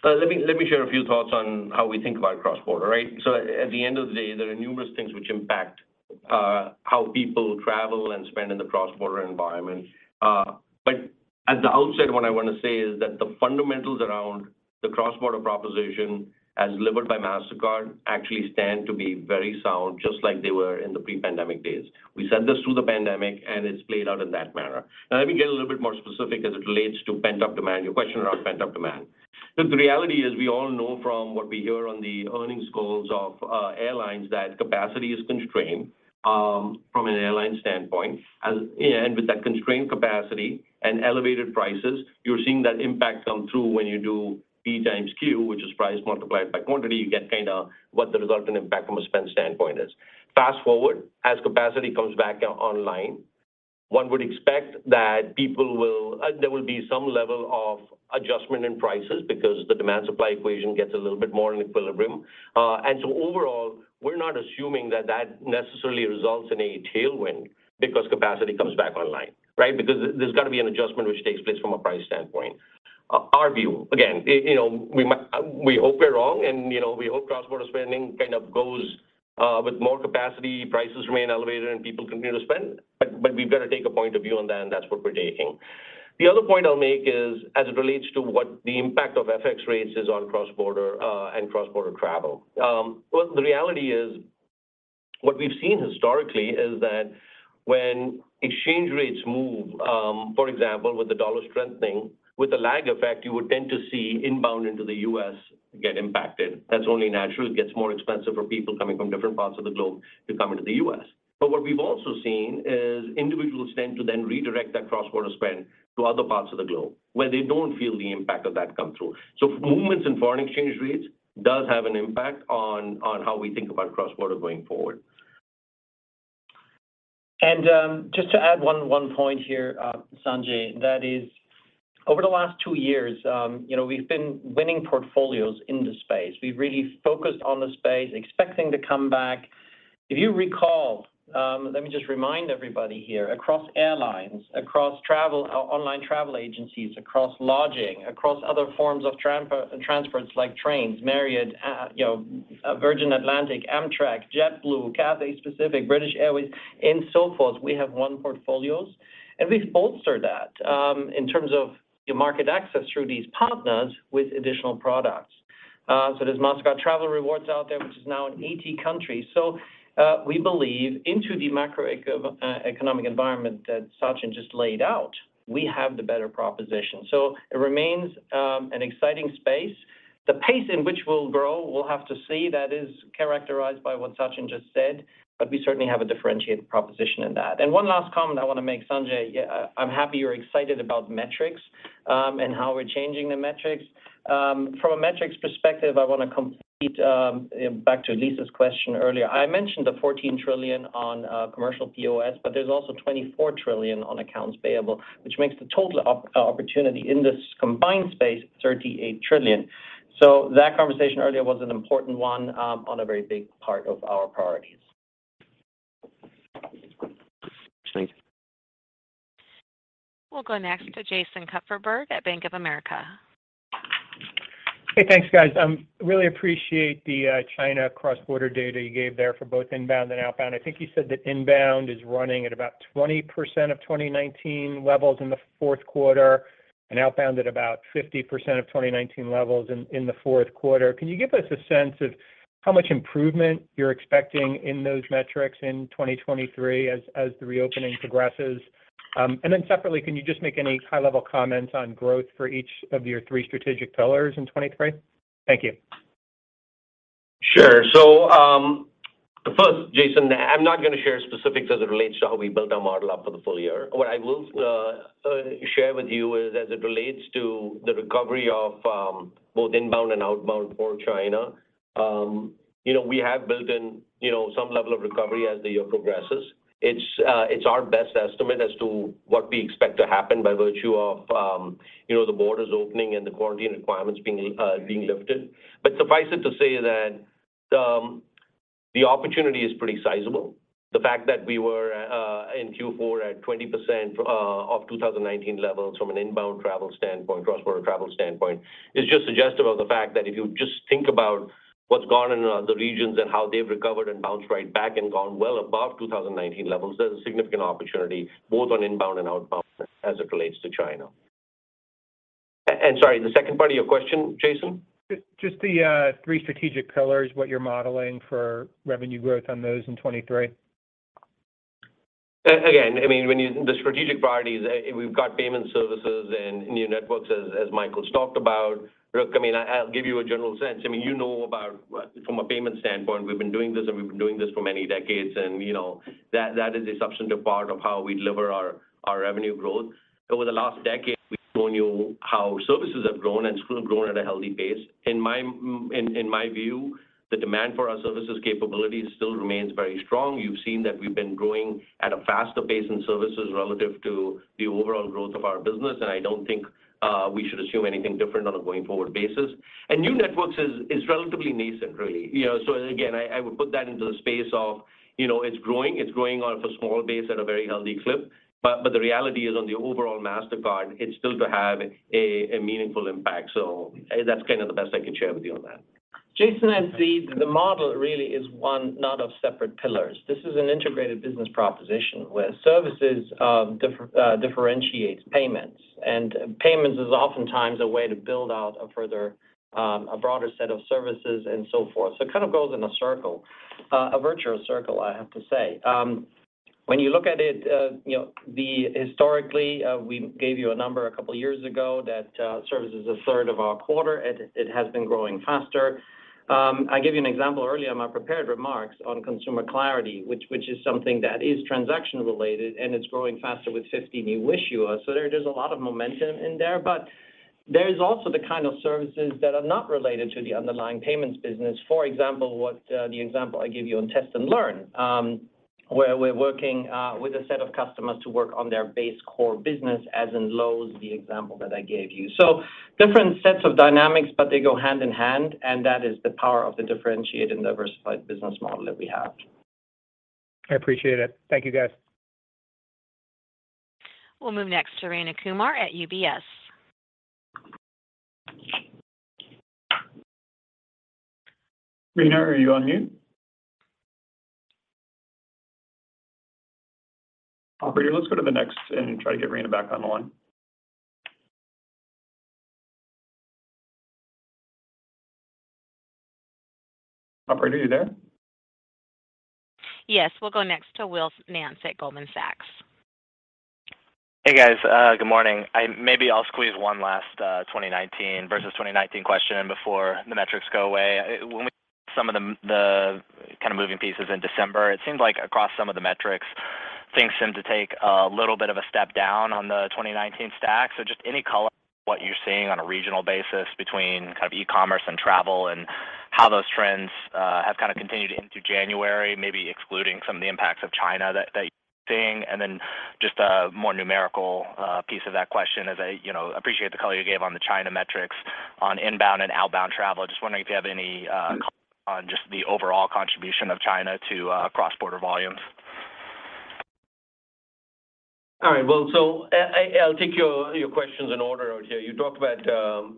let me share a few thoughts on how we think about cross-border. At the end of the day, there are numerous things which impact how people travel and spend in the cross-border environment. At the outset, what I wanna say is that the fundamentals around the cross-border proposition as delivered by Mastercard actually stand to be very sound, just like they were in the pre-pandemic days. We said this through the pandemic, and it's played out in that manner. Let me get a little bit more specific as it relates to pent-up demand, your question around pent-up demand. Look, the reality is we all know from what we hear on the earnings calls of airlines that capacity is constrained from an airline standpoint. With that constrained capacity and elevated prices, you're seeing that impact come through when you do P times Q, which is price multiplied by quantity, you get kinda what the resultant impact from a spend standpoint is. Fast-forward, as capacity comes back online, one would expect that there will be some level of adjustment in prices because the demand supply equation gets a little bit more in equilibrium. Overall, we're not assuming that that necessarily results in a tailwind because capacity comes back online, right? Because there's gotta be an adjustment which takes place from a price standpoint. Our view, again we hope we're wrong, and we hope cross-border spending kind of goes with more capacity, prices remain elevated and people continue to spend. We've got to take a point of view on that, and that's what we're taking. The other point I'll make is as it relates to what the impact of FX rates is on cross-border and cross-border travel. Well, the reality is what we've seen historically is that when exchange rates move, for example, with the dollar strengthening, with the lag effect, you would tend to see inbound into the U.S. get impacted. That's only natural. It gets more expensive for people coming from different parts of the globe to come into the U.S. What we've also seen is individuals tend to then redirect that cross-border spend to other parts of the globe where they don't feel the impact of that come through. Movements in foreign exchange rates does have an impact on how we think about cross-border going forward. Just to add one point here, Sanjay, that is over the last two years we've been winning portfolios in the space. We've really focused on the space expecting to come back. If you recall, let me just remind everybody here, across airlines, across travel, online travel agencies, across lodging, across other forms of transports like trains, Marriott, Virgin Atlantic, Amtrak, JetBlue, Cathay Pacific, British Airways, and so forth, we have won portfolios, and we've bolstered that in terms of market access through these partners with additional products. There's Mastercard Travel Rewards out there, which is now in 80 countries. We believe into the macro eco-economic environment that Sachin just laid out, we have the better proposition. It remains an exciting space. The pace in which we'll grow, we'll have to see. That is characterized by what Sachin just said. We certainly have a differentiated proposition in that. One last comment I wanna make, Sanjay. Yeah, I'm happy you're excited about metrics, and how we're changing the metrics. From a metrics perspective, I wanna complete, back to Lisa's question earlier. I mentioned the $14 trillion on commercial POS, but there's also $24 trillion on accounts payable, which makes the total opportunity in this combined space $38 trillion. That conversation earlier was an important one, on a very big part of our priorities. Thanks. We'll go next to Jason Kupferberg at Bank of America. Hey, thanks, guys. Really appreciate the China cross-border data you gave there for both inbound and outbound. I think you said that inbound is running at about 20% of 2019 levels in the fourth quarter and outbound at about 50% of 2019 levels in the fourth quarter. Can you give us a sense of how much improvement you're expecting in those metrics in 2023 as the reopening progresses? Separately, can you just make any high-level comments on growth for each of your three strategic pillars in 2023? Thank you. Sure. First, Jason, I'm not gonna share specifics as it relates to how we built our model up for the full year. What I will share with you is as it relates to the recovery of both inbound and outbound for china we have built in some level of recovery as the year progresses. It's our best estimate as to what we expect to happen by virtue of the borders opening and the quarantine requirements being lifted. Suffice it to say that the opportunity is pretty sizable. The fact that we were in Q4 at 20% of 2019 levels from an inbound travel standpoint, cross-border travel standpoint is just suggestive of the fact that if you just think about what's gone on in other regions and how they've recovered and bounced right back and gone well above 2019 levels, there's a significant opportunity both on inbound and outbound as it relates to China. Sorry, the second part of your question, Jason? Just the, three strategic pillars, what you're modeling for revenue growth on those in 2023? Again, I mean, when the strategic priorities, we've got payment services and new networks as Michael's talked about. I mean, I'll give you a general sense. I mean, about from a payment standpoint, we've been doing this for many decades., that is a substantive part of how we deliver our revenue growth. Over the last decade, we've shown you how services have grown and still growing at a healthy pace. In my view, the demand for our services capabilities still remains very strong. You've seen that we've been growing at a faster pace in services relative to the overall growth of our business, I don't think we should assume anything different on a going forward basis. New networks is relatively nascent, really., again, I would put that into the space of it's growing, it's growing off a small base at a very healthy clip. The reality is, on the overall Mastercard, it's still to have a meaningful impact. That's kind of the best I can share with you on that. Jason, as the model really is one not of separate pillars. This is an integrated business proposition where services differentiates payments. Payments is oftentimes a way to build out a further, a broader set of services and so forth. It kind of goes in a circle, a virtuous circle, I have to say. When you look at it historically, we gave you a number a couple years ago that services a third of our quarter. It has been growing faster. I gave you an example earlier in my prepared remarks on Consumer Clarity, which is something that is transaction related, and it's growing faster with 50 new issuers. There's a lot of momentum in there. There's also the kind of services that are not related to the underlying payments business. For example, the example I gave you on Test & Learn, where we're working with a set of customers to work on their base core business as in Lowe's, the example that I gave you. Different sets of dynamics, but they go hand in hand, and that is the power of the differentiated and diversified business model that we have. I appreciate it. Thank you, guys. We'll move next to Rayna Kumar at UBS. Rayna, are you on mute? Operator, let's go to the next and try to get Rayna back on the line. Operator, are you there? Yes. We'll go next to Will Nance at Goldman Sachs. Hey, guys. Good morning. Maybe I'll squeeze one last 2019 versus 2019 question before the metrics go away. When we look at some of the kinda moving pieces in December, it seems like across some of the metrics, things seem to take a little bit of a step down on the 2019 stack. Just any color what you're seeing on a regional basis between kind of e-commerce and travel and how those trends have kinda continued into January, maybe excluding some of the impacts of China that you're seeing. Then just a more numerical piece of that question as i appreciate the color you gave on the China metrics on inbound and outbound travel. Just wondering if you have any color on just the overall contribution of China to cross-border volumes. All right. Well, I'll take your questions in order out here. You talked about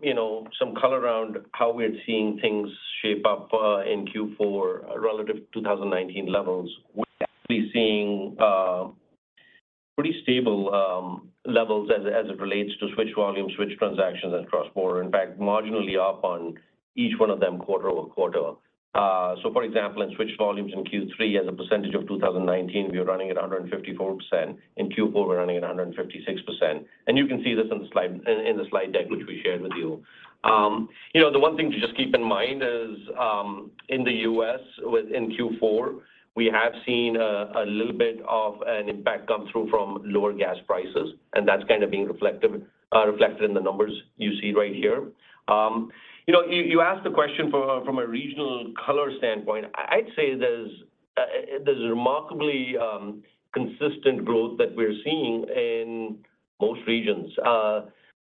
some color around how we're seeing things shape up in Q4 relative to 2019 levels. We're actually seeing pretty stable levels as it relates to switch volumes, switch transactions and cross-border. In fact, marginally up on each one of them quarter-over-quarter. For example, in switch volumes in Q3 as a percentage of 2019, we are running at 154%. In Q4, we're running at 156%. You can see this in the slide, in the slide deck which we shared with you., the one thing to just keep in mind is, in the U.S. in Q4, we have seen a little bit of an impact come through from lower gas prices, and that's kind of being reflective, reflected in the numbers you see right here., you asked the question from a regional color standpoint. I'd say there's remarkably consistent growth that we're seeing in most regions.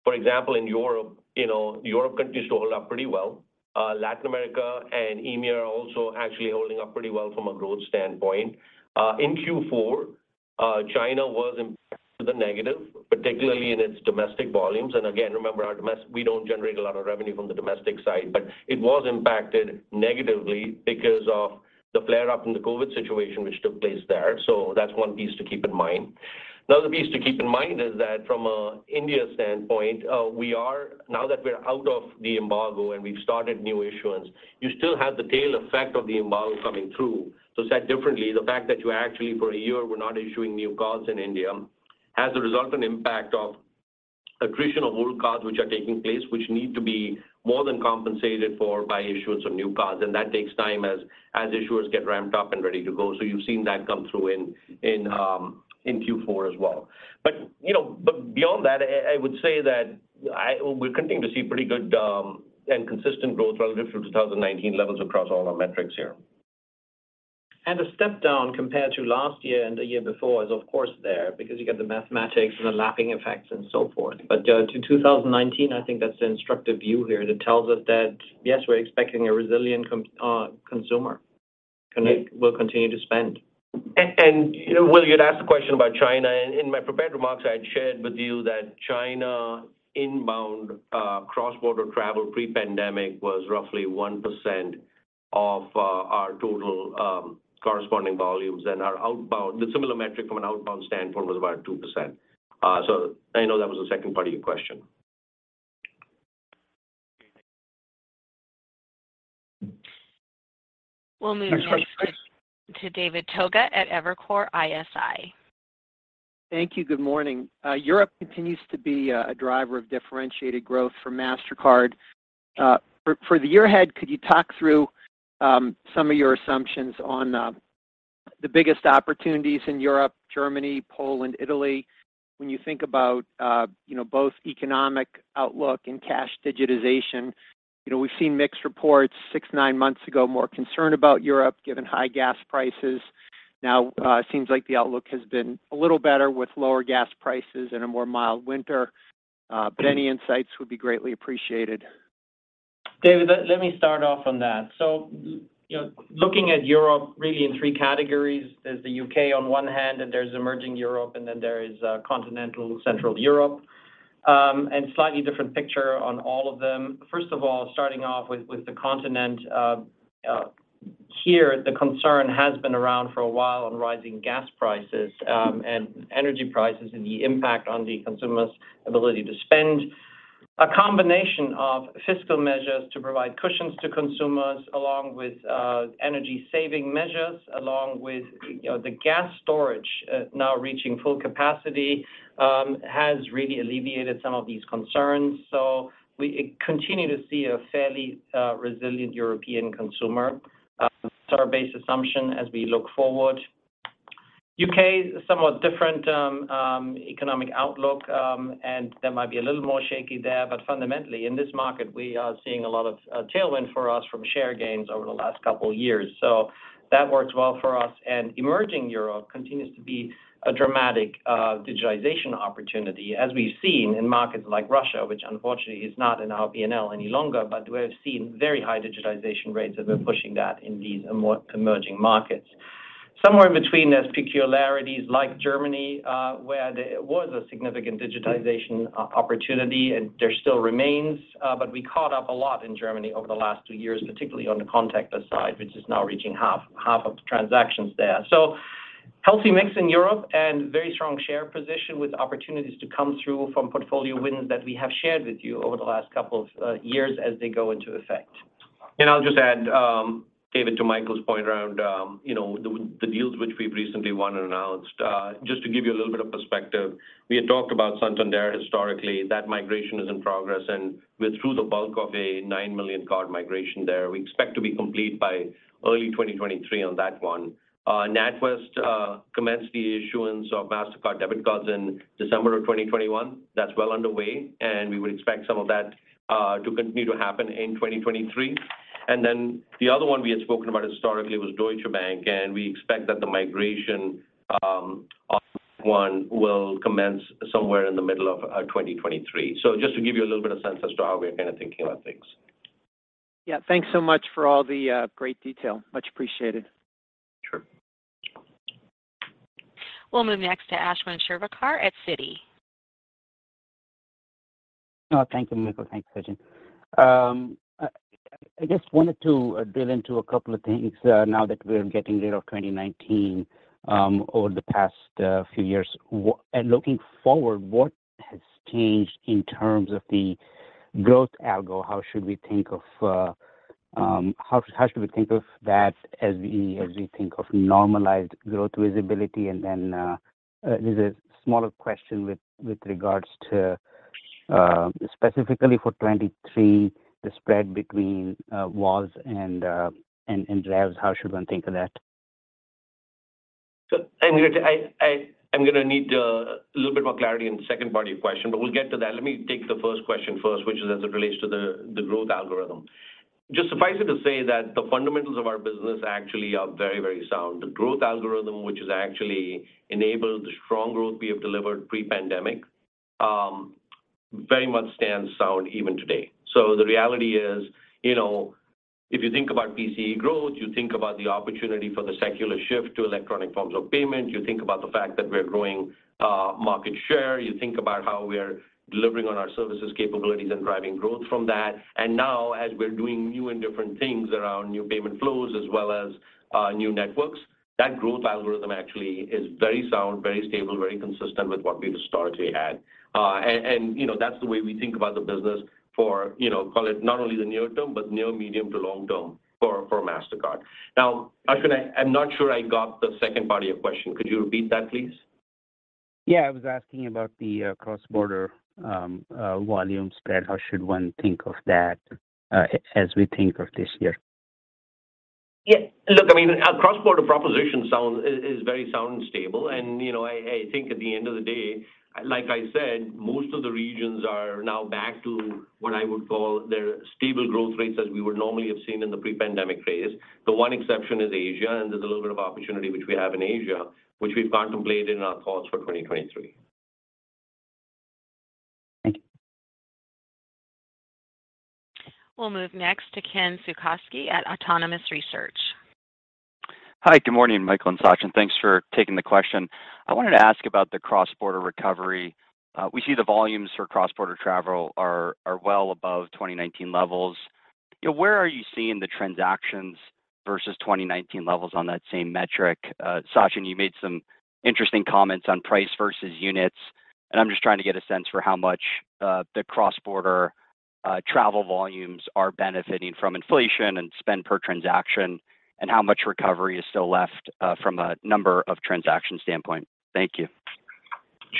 For example, in europe Europe continues to hold up pretty well. Latin America and EMEA are also actually holding up pretty well from a growth standpoint. In Q4, China was impacted to the negative, particularly in its domestic volumes. Again, remember our domestic, we don't generate a lot of revenue from the domestic side, but it was impacted negatively because of the flare up in the COVID situation which took place there. That's one piece to keep in mind. Another piece to keep in mind is that from a India standpoint, now that we're out of the embargo and we've started new issuance, you still have the tail effect of the embargo coming through. Said differently, the fact that you actually for a year were not issuing new cards in India has a resultant impact of accretion of old cards which are taking place, which need to be more than compensated for by issuance of new cards, and that takes time as issuers get ramped up and ready to go. You've seen that come through in Q4 as well., but beyond that, I would say that We continue to see pretty good and consistent growth relative to 2019 levels across all our metrics here. A step down compared to last year and the year before is of course there because you get the mathematics and the lapping effects and so forth. To 2019, I think that's an instructive view here that tells us that, yes, we're expecting a resilient consumer connect will continue to spend., Will, you'd asked a question about China, and in my prepared remarks I had shared with you that China inbound, cross-border travel pre-pandemic was roughly 1% of our total, corresponding volumes. Our outbound, the similar metric from an outbound standpoint was about 2%. I know that was the second part of your question. We'll move next to David Togut at Evercore ISI. Thank you. Good morning. Europe continues to be a driver of differentiated growth for Mastercard. For the year ahead, could you talk through some of your assumptions on the biggest opportunities in Europe, Germany, Poland, Italy, when you think about both economic outlook and cash digitization?, we've seen mixed reports six, nine months ago, more concern about Europe given high gas prices. Seems like the outlook has been a little better with lower gas prices and a more mild winter. Any insights would be greatly appreciated. David, let me start off on that., looking at Europe really in three categories, there's the U.K. on one hand, and there's emerging Europe, and then there is continental Central Europe, and slightly different picture on all of them. First of all, starting off with the continent. Here the concern has been around for a while on rising gas prices and energy prices and the impact on the consumer's ability to spend. A combination of fiscal measures to provide cushions to consumers along with energy saving measures along with the gas storage now reaching full capacity has really alleviated some of these concerns. We continue to see a fairly resilient European consumer. That's our base assumption as we look forward. U.K.'s a somewhat different economic outlook, and there might be a little more shaky there, but fundamentally in this market we are seeing a lot of tailwind for us from share gains over the last couple years. That works well for us. Emerging Europe continues to be a dramatic digitization opportunity as we've seen in markets like Russia, which unfortunately is not in our P&L any longer. We have seen very high digitization rates as we're pushing that in these emerging markets. Somewhere in between, there's peculiarities like Germany, where there was a significant digitization opportunity and there still remains, but we caught up a lot in Germany over the last two years, particularly on the contactor side, which is now reaching half of the transactions there. Healthy mix in Europe and very strong share position with opportunities to come through from portfolio wins that we have shared with you over the last couple of years as they go into effect. I'll just add, David, to Michael Miebach's point around the deals which we've recently won and announced. Just to give you a little bit of perspective, we had talked about Santander historically. That migration is in progress, and we're through the bulk of a 9 million card migration there. We expect to be complete by early 2023 on that one. NatWest commenced the issuance of Mastercard debit cards in December of 2021. That's well underway, and we would expect some of that to continue to happen in 2023. The other one we had spoken about historically was Deutsche Bank, and we expect that the migration on one will commence somewhere in the middle of 2023. Just to give you a little bit of sense as to how we're kind of thinking about things. Yeah. Thanks so much for all the great detail. Much appreciated. Sure. We'll move next to Ashwin Shirvaikar at Citi. Thank you, Nicole. Thanks, Sachin. I just wanted to drill into a couple of things, now that we're getting rid of 2019, over the past few years. Looking forward, what has changed in terms of the growth algo? How should we think of that as we think of normalized growth visibility? Then there's a smaller question with regards to specifically for 2023, the spread between VALs and RAVs. How should one think of that? I'm gonna need a little bit more clarity on the second part of your question, but we'll get to that. Let me take the first question first, which is as it relates to the growth algorithm. Just suffice it to say that the fundamentals of our business actually are very, very sound. The growth algorithm, which has actually enabled the strong growth we have delivered pre-pandemic, very much stands sound even today. The reality is if you think about PCE growth, you think about the opportunity for the secular shift to electronic forms of payment. You think about the fact that we're growing market share. You think about how we're delivering on our services capabilities and driving growth from that. Now as we're doing new and different things around new payment flows as well as new networks, that growth algorithm actually is very sound, very stable, very consistent with what we've historically had., that's the way we think about the business for call it not only the near term, but near, medium to long term for Mastercard. Ashwin, I'm not sure I got the second part of your question. Could you repeat that, please? Yeah, I was asking about the cross-border volume spread. How should one think of that as we think of this year? Look, I mean, our cross-border proposition is very sound and stable., I think at the end of the day, like I said, most of the regions are now back to what I would call their stable growth rates as we would normally have seen in the pre-pandemic phase. The one exception is Asia, there's a little bit of opportunity which we have in Asia, which we've contemplated in our calls for 2023. Thank you. We'll move next to Ken Suchoski at Autonomous Research. Hi. Good morning, Michael and Sachin. Thanks for taking the question. I wanted to ask about the cross-border recovery. We see the volumes for cross-border travel are well above 2019 levels., where are you seeing the transactions versus 2019 levels on that same metric? Sachin, you made some interesting comments on price versus units, and I'm just trying to get a sense for how much the cross-border travel volumes are benefiting from inflation and spend per transaction and how much recovery is still left from a number of transaction standpoint. Thank you.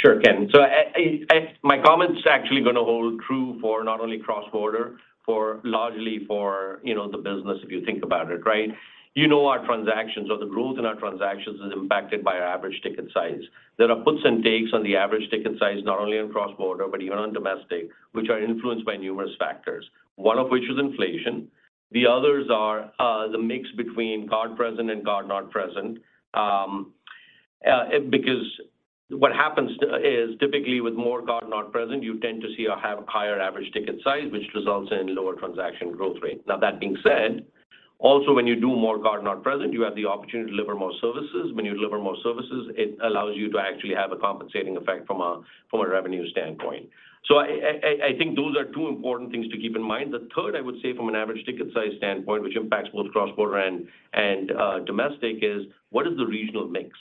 Sure, Ken. My comment's actually gonna hold true for not only cross-border, for largely for the business if you think about it, right? our transactions or the growth in our transactions is impacted by our average ticket size. There are puts and takes on the average ticket size, not only on cross-border, but even on domestic, which are influenced by numerous factors, one of which is inflation. The others are the mix between card present and card not present. Because what happens is typically with more card not present, you tend to see a higher average ticket size, which results in lower transaction growth rate. Now that being said, also when you do more card not present, you have the opportunity to deliver more services. When you deliver more services, it allows you to actually have a compensating effect from a revenue standpoint. I think those are two important things to keep in mind. The third, I would say from an average ticket size standpoint, which impacts both cross-border and domestic, is what is the regional mix?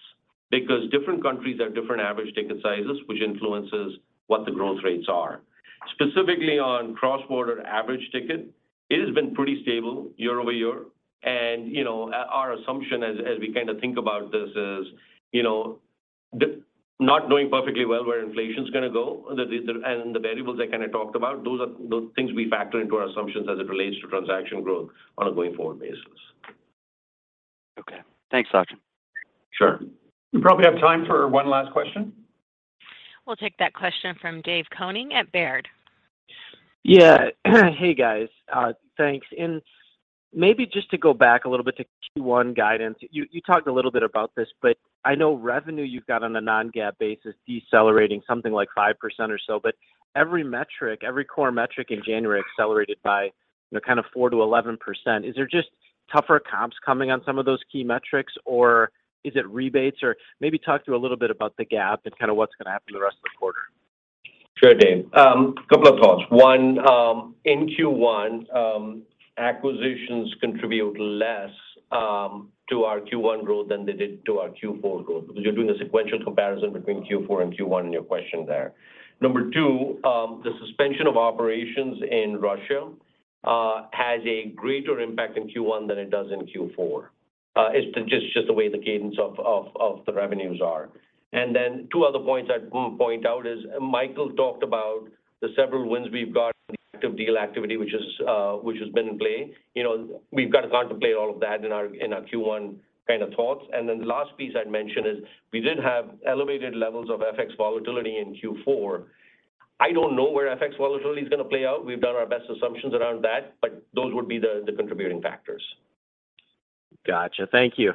Because different countries have different average ticket sizes, which influences what the growth rates are. Specifically on cross-border average ticket, it has been pretty stable year-over-year. Our assumption as we kinda think about this is not knowing perfectly well where inflation's gonna go, and the variables I kinda talked about, those are the things we factor into our assumptions as it relates to transaction growth on a going forward basis. Okay. Thanks, Sachin. Sure. We probably have time for one last question. We'll take that question from David Koning at Baird. Yeah. Hey, guys. thanks. Maybe just to go back a little bit to Q1 guidance. You talked a little bit about this, I know revenue you've got on a non-GAAP basis decelerating something like 5% or so. Every metric, every core metric in January accelerated by kind of 4%-11%. Is there just tougher comps coming on some of those key metrics or is it rebates? Maybe talk to a little bit about the GAAP and kinda what's gonna happen the rest of the quarter. Sure, Dave. couple of thoughts. 1, in Q1, acquisitions contribute less to our Q1 growth than they did to our Q4 growth because you're doing a sequential comparison between Q4 and Q1 in your question there. Number 2, the suspension of operations in Russia has a greater impact in Q1 than it does in Q4. it's just the way the cadence of the revenues are. Two other points I'd point out is Michael talked about the several wins we've got in the active deal activity which is, which has been in play. We've got to contemplate all of that in our, in our Q1 kind of thoughts. The last piece I'd mention is we did have elevated levels of FX volatility in Q4. I don't know where FX volatility is gonna play out. We've done our best assumptions around that, but those would be the contributing factors. Gotcha. Thank you.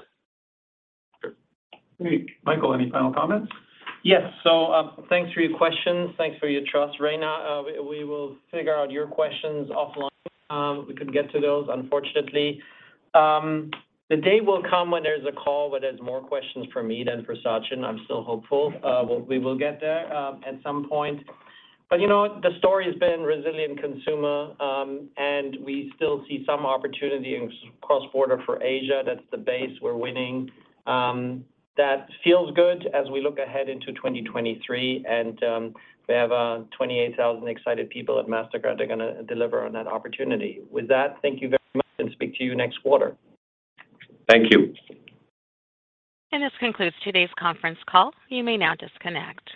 Sure. Great. Michael, any final comments? Yes. Thanks for your questions. Thanks for your trust. Rayna, we will figure out your questions offline. We couldn't get to those unfortunately. The day will come when there's a call where there's more questions for me than for Sachin. I'm still hopeful, we will get there at some point. What? The story has been resilient consumer. We still see some opportunity in cross-border for Asia. That's the base we're winning. That feels good as we look ahead into 2023, we have 28,000 excited people at Mastercard are gonna deliver on that opportunity. With that, thank you very much and speak to you next quarter. Thank you. This concludes today's conference call. You may now disconnect.